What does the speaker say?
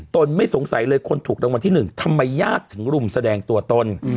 ไม่สงสัยเลยคนถูกรางวัลที่หนึ่งทำไมญาติถึงรุมแสดงตัวตน